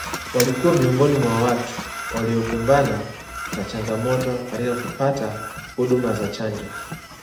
walikuwa miongoni mwa watu waliokumbana na changamoto katika kupata huduma za chanjo